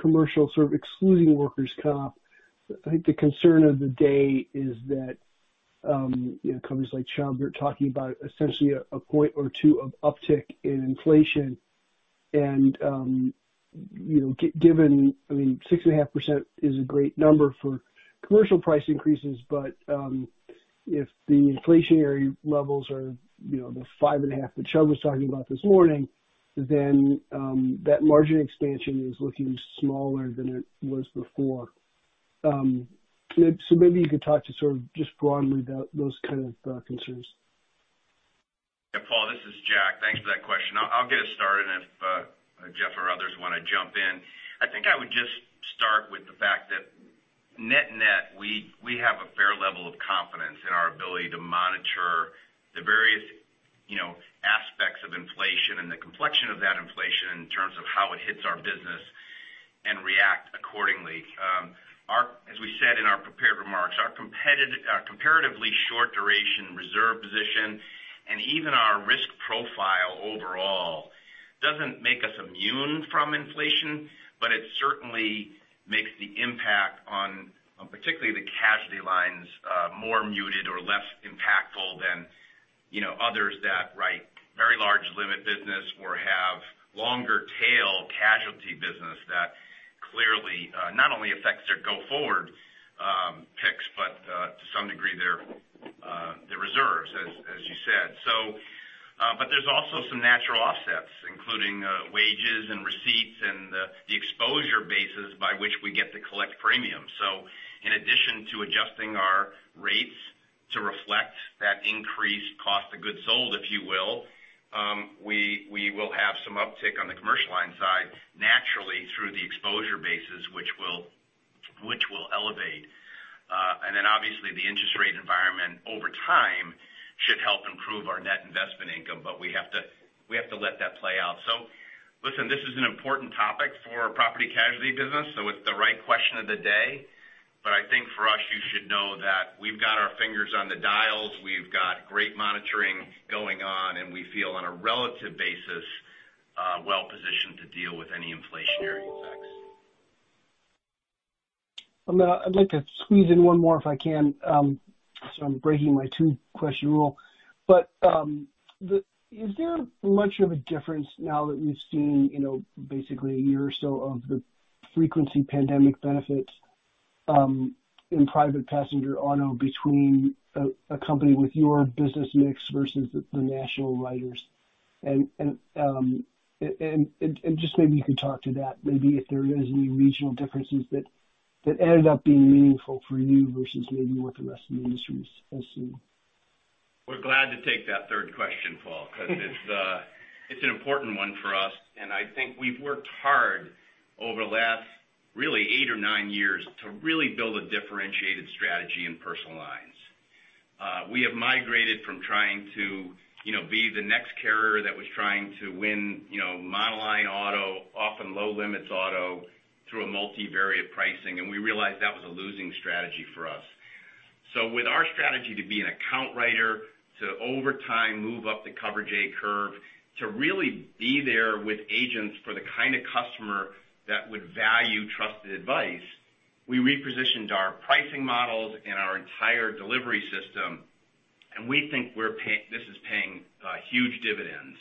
H: commercial, sort of excluding workers' comp. I think the concern of the day is that companies like Chubb are talking about essentially one or two of uptick in inflation, given, I mean, 6.5% is a great number for commercial price increases, if the inflationary levels are the 5.5% that Chubb was talking about this morning, that margin expansion is looking smaller than it was before. Maybe you could talk to sort of just broadly those kind of concerns.
C: Paul, this is Jack. Thanks for that question. I'll get us started if Jeff or others want to jump in. I think I would just start with the fact that net-net, we have a fair level of confidence in our ability to monitor the various aspects of inflation and the complexion of that inflation in terms of how it hits our business and react accordingly. As we said in our prepared remarks, our comparatively short duration reserve position, and even our risk profile overall doesn't make us immune from inflation, but it certainly makes the impact on particularly the casualty lines more muted or less impactful than others that write very large limit business or have longer tail casualty business that clearly not only affects their go forward picks, but to some degree their reserves, as you said. There's also some natural offsets, including wages and receipts and the exposure bases by which we get to collect premiums. In addition to adjusting our rates to reflect that increased cost of goods sold, if you will, we will have some uptick on the commercial line side naturally through the exposure bases which will elevate. Obviously the interest rate environment over time should help improve our net investment income, but we have to let that play out. Listen, this is an important topic for our property casualty business, so it's the right question of the day. I think for us, you should know that we've got our fingers on the dials, we've got great monitoring going on, and we feel on a relative basis, well-positioned to deal with any inflationary effects.
H: I'd like to squeeze in one more if I can. Sorry, I'm breaking my two-question rule. Is there much of a difference now that we've seen basically a year or so of the frequency pandemic benefits in private passenger auto between a company with your business mix versus the national writers? Just maybe you could talk to that, maybe if there is any regional differences that ended up being meaningful for you versus maybe what the rest of the industry is seeing.
C: We're glad to take that third question, Paul, because it's an important one for us. I think we've worked hard over the last really eight or nine years to really build a differentiated strategy in personal lines. We have migrated from trying to be the next carrier that was trying to win monoline auto, often low limits auto through a multivariate pricing. We realized that was a losing strategy for us. With our strategy to be an account writer, to over time move up the coverage A curve, to really be there with agents for the kind of customer that would value trusted advice, we repositioned our pricing models and our entire delivery system. We think this is paying huge dividends.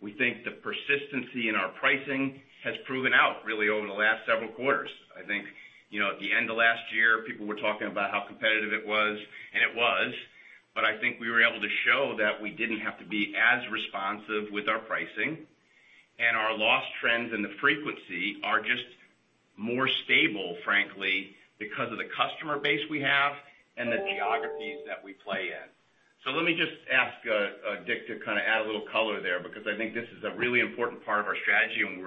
C: We think the persistency in our pricing has proven out really over the last several quarters. I think at the end of last year, people were talking about how competitive it was, it was. I think we were able to show that we didn't have to be as responsive with our pricing, our loss trends and the frequency are just more stable, frankly, because of the customer base we have and the geographies that we play in. Let me just ask Dick to kind of add a little color there, because I think this is a really important part of our strategy, and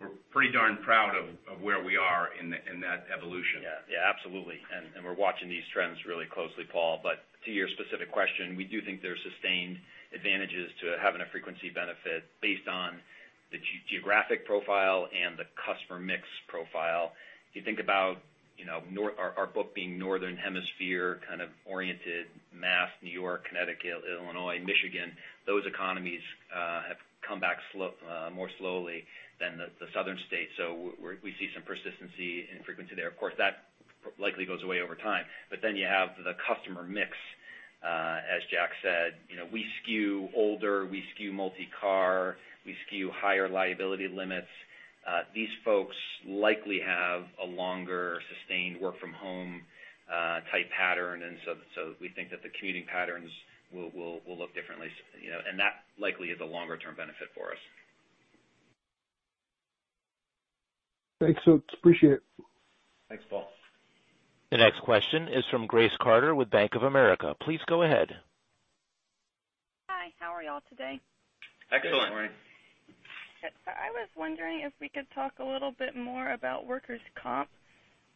C: we're pretty darn proud of where we are in that evolution.
I: Yeah. Absolutely. We're watching these trends really closely, Paul. To your specific question, we do think there's sustained advantages to having a frequency benefit based on the geographic profile and the customer mix profile. If you think about our book being Northern Hemisphere kind of oriented, Mass, New York, Connecticut, Illinois, Michigan, those economies have come back more slowly than the Southern states. We see some persistency in frequency there. Of course, that likely goes away over time. You have the customer mix. As Jack said, we skew older, we skew multi-car, we skew higher liability limits. These folks likely have a longer sustained work from home type pattern, we think that the commuting patterns will look differently, and that likely is a longer-term benefit for us.
D: Thanks folks. Appreciate it.
C: Thanks, Paul.
A: The next question is from Grace Carter with Bank of America. Please go ahead.
J: Hi, how are y'all today?
C: Excellent.
D: Good morning.
J: I was wondering if we could talk a little bit more about workers' comp.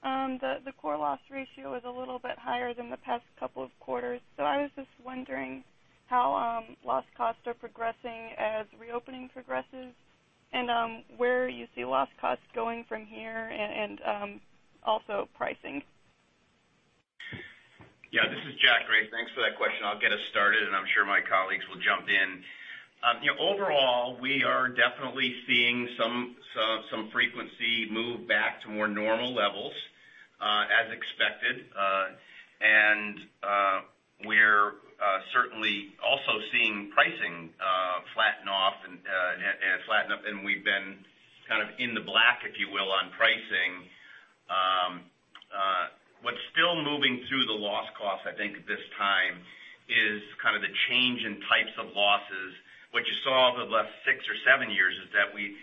J: The core loss ratio is a little bit higher than the past couple of quarters. I was just wondering how loss costs are progressing as reopening progresses, and where you see loss costs going from here, and also pricing.
C: Yeah, this is Jack, Grace. Thanks for that question. I'll get us started, and I'm sure my colleagues will jump in. Overall, we are definitely seeing some frequency move back to more normal levels, as expected. We are certainly also seeing pricing flatten off and flatten up, and we've been kind of in the black, if you will, on pricing. What's still moving through the loss cost, I think this time, is kind of the change in types of losses. What you saw over the last six or seven years is that we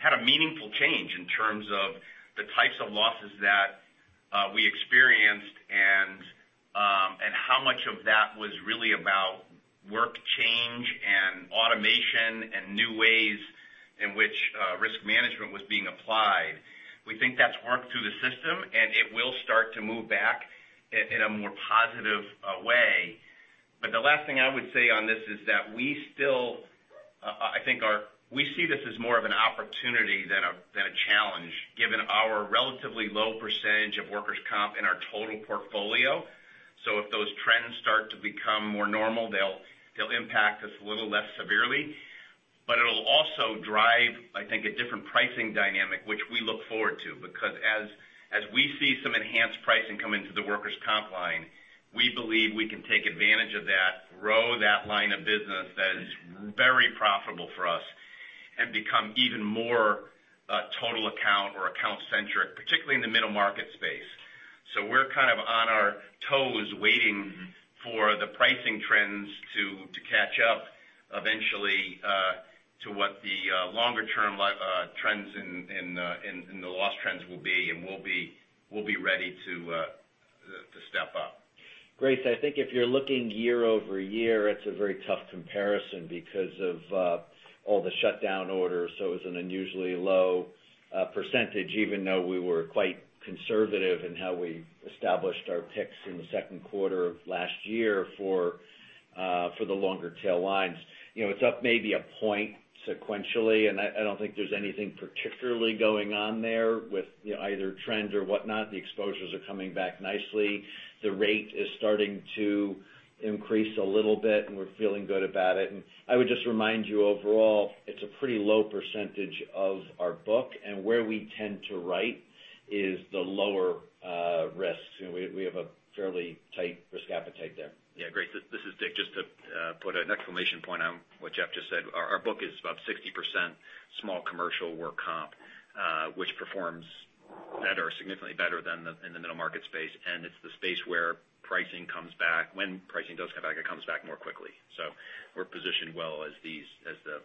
C: had a meaningful change in terms of the types of losses that we experienced and how much of that was really about work change and automation and new ways in which risk management was being applied. We think that's worked through the system, and it will start to move back in a more positive way. The last thing I would say on this is that we see this as more of an opportunity than a challenge, given our relatively low percentage of workers' comp in our total portfolio. If those trends start to become more normal, they'll impact us a little less severely. It'll also drive, I think, a different pricing dynamic, which we look forward to, because as we see some enhanced pricing come into the workers' comp line, we believe we can take advantage of that, grow that line of business that is very profitable for us and become even more a total account or account-centric, particularly in the middle market space. We're kind of on our toes waiting for the pricing trends to catch up eventually to what the longer-term trends and the loss trends will be, and we'll be ready to step up.
D: Grace, I think if you're looking year-over-year, it's a very tough comparison because of all the shutdown orders. It was an unusually low percentage, even though we were quite conservative in how we established our picks in the second quarter of last year for the longer tail lines. It's up maybe a point sequentially, and I don't think there's anything particularly going on there with either trends or whatnot. The exposures are coming back nicely. The rate is starting to increase a little bit and we're feeling good about it. I would just remind you, overall, it's a pretty low percentage of our book, and where we tend to write is the lower risks. We have a fairly tight risk appetite there.
C: Yeah, Grace, this is Dick. Just to put an exclamation point on what Jeff just said, our book is about 60% small commercial work comp, which performs better, significantly better than in the middle market space, and it's the space where pricing comes back. When pricing does come back, it comes back more quickly. We're positioned well as the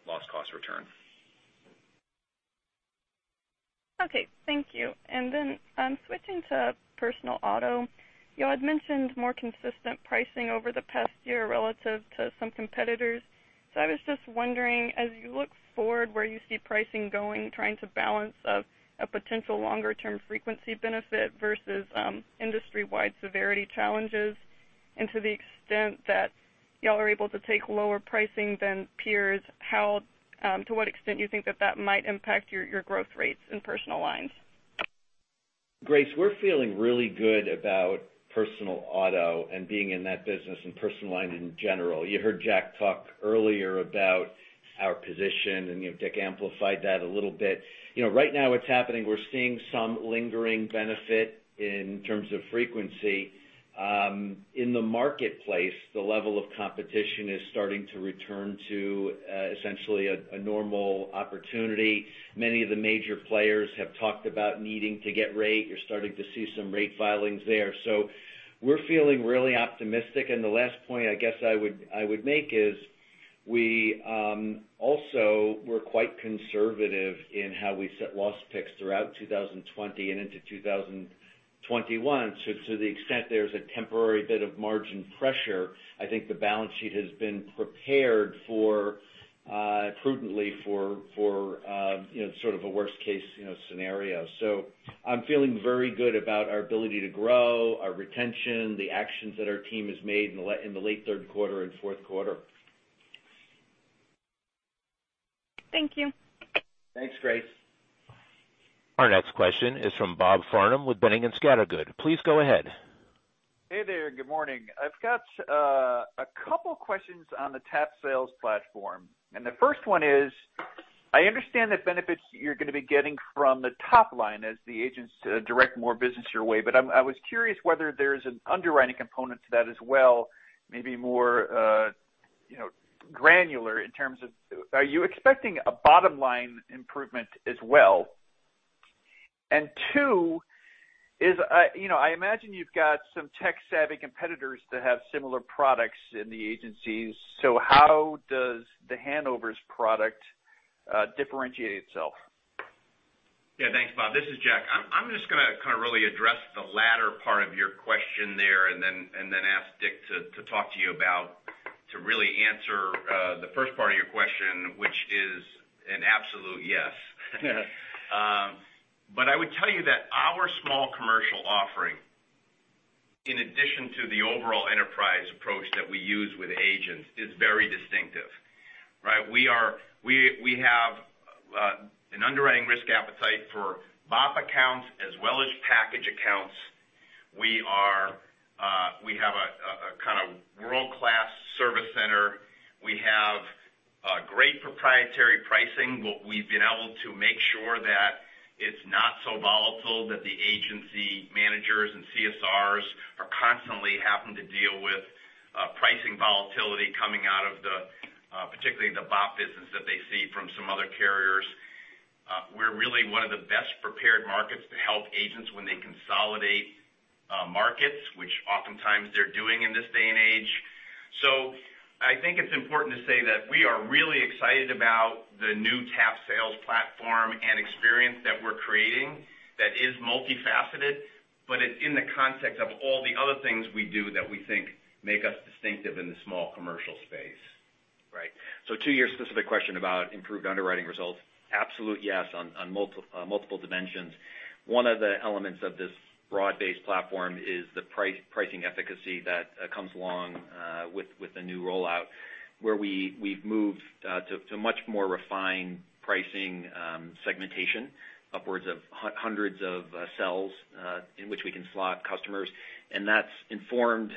C: loss costs return.
J: Okay, thank you. Switching to personal auto, you had mentioned more consistent pricing over the past year relative to some competitors. I was just wondering, as you look forward, where you see pricing going, trying to balance a potential longer-term frequency benefit versus industry-wide severity challenges. To the extent that y'all are able to take lower pricing than peers, to what extent you think that that might impact your growth rates in personal lines?
D: Grace, we're feeling really good about personal auto and being in that business and personal line in general. You heard Jack talk earlier about our position, and Dick amplified that a little bit. Right now what's happening, we're seeing some lingering benefit in terms of frequency. In the marketplace, the level of competition is starting to return to essentially a normal opportunity. Many of the major players have talked about needing to get rate. You're starting to see some rate filings there. We're feeling really optimistic. The last point, I guess I would make is we also were quite conservative in how we set loss picks throughout 2020 and into 2021. To the extent there's a temporary bit of margin pressure, I think the balance sheet has been prepared prudently for sort of a worst case scenario. I'm feeling very good about our ability to grow, our retention, the actions that our team has made in the late third quarter and fourth quarter.
J: Thank you.
D: Thanks, Grace.
A: Our next question is from Bob Farnham with Bennington/Scudder. Please go ahead.
K: Hey there. Good morning. I've got a couple questions on the TAP Sales platform. The first one is, I understand the benefits you're going to be getting from the top line as the agents direct more business your way, I was curious whether there's an underwriting component to that as well, maybe more granular in terms of are you expecting a bottom-line improvement as well? Two I imagine you've got some tech-savvy competitors that have similar products in the agencies. How does The Hanover's product differentiate itself?
C: Thanks, Bob. This is Jack. I'm just going to kind of really address the latter part of your question there and then ask Dick to talk to you about, to really answer the first part of your question, which is an absolute yes. I would tell you that our small commercial offering, in addition to the overall enterprise approach that we use with agents, is very distinctive. We have an underwriting risk appetite for BOP accounts as well as package accounts. We have a kind of world-class service center. We have great proprietary pricing. We've been able to make sure that it's not so volatile that the agency managers and CSRs are constantly having to deal with pricing volatility coming out of particularly the BOP business that they see from some other carriers. We're really one of the best-prepared markets to help agents when they consolidate markets, which oftentimes they're doing in this day and age. I think it's important to say that we are really excited about the new TAP Sales platform and experience that we're creating that is multifaceted, but it's in the context of all the other things we do that we think make us distinctive in the small commercial space.
I: Right. To your specific question about improved underwriting results, absolute yes on multiple dimensions. One of the elements of this broad-based platform is the pricing efficacy that comes along with the new rollout, where we've moved to much more refined pricing segmentation, upwards of hundreds of cells in which we can slot customers. That's informed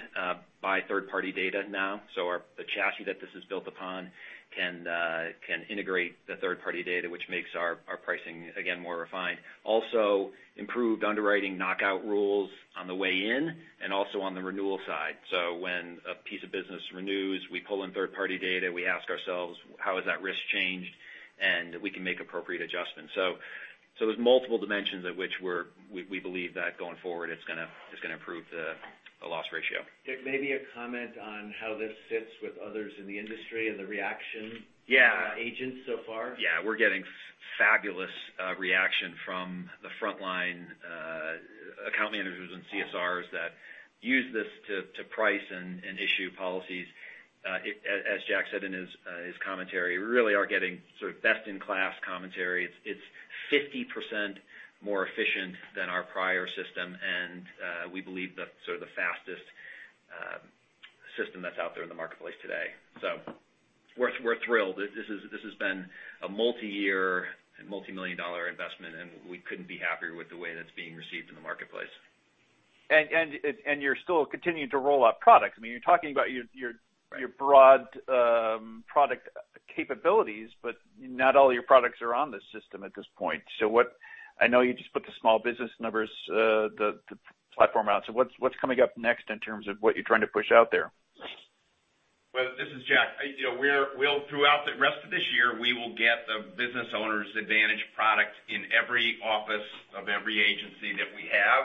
I: by third-party data now. The chassis that this is built upon can integrate the third-party data, which makes our pricing, again, more refined. Also, improved underwriting knockout rules on the way in, on the renewal side. When a piece of business renews, we pull in third-party data, we ask ourselves, how has that risk changed? We can make appropriate adjustments. There's multiple dimensions at which we believe that going forward, it's going to improve the loss ratio.
K: Dick, maybe a comment on how this fits with others in the industry and the reaction.
I: Yeah
K: agents so far.
I: We're getting fabulous reaction from the frontline account managers and CSRs that use this to price and issue policies. As Jack said in his commentary, we really are getting sort of best-in-class commentary. It's 50% more efficient than our prior system, and we believe the sort of the fastest system that's out there in the marketplace today. We're thrilled. This has been a multi-year and multimillion-dollar investment, and we couldn't be happier with the way that it's being received in the marketplace.
K: You're still continuing to roll out products. I mean, you're talking about your broad product capabilities, but not all your products are on this system at this point. I know you just put the small business numbers platform out, what's coming up next in terms of what you're trying to push out there?
C: Well, this is Jack. Throughout the rest of this year, we will get the Business Owner's Advantage product in every office of every agency that we have.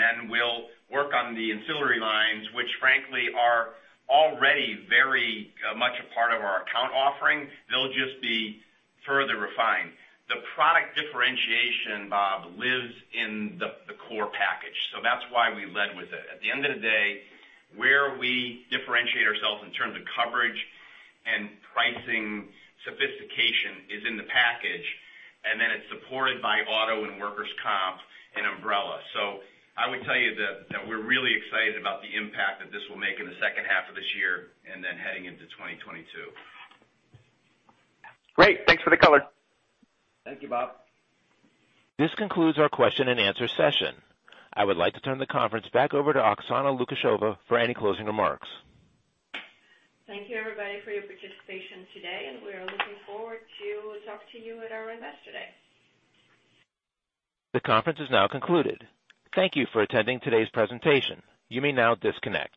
C: Then we'll work on the ancillary lines, which frankly, are already very much a part of our account offering. They'll just be further refined. The product differentiation, Bob, lives in the core package. That's why we led with it. At the end of the day, where we differentiate ourselves in terms of coverage and pricing sophistication is in the package, and then it's supported by auto and workers' comp and umbrella. I would tell you that we're really excited about the impact that this will make in the second half of this year, and then heading into 2022.
K: Great. Thanks for the color.
C: Thank you, Bob.
A: This concludes our question and answer session. I would like to turn the conference back over to Oksana Lukasheva for any closing remarks.
B: Thank you everybody for your participation today. We are looking forward to talk to you at our Investor Day.
A: The conference is now concluded. Thank you for attending today's presentation. You may now disconnect.